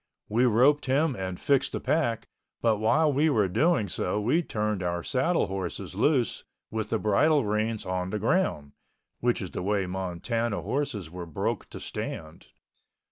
We roped him and fixed the pack, but while we were doing so we turned our saddle horses loose with the bridle reins on the ground (which is the way Montana horses were broke to stand).